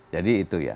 jadi itu ya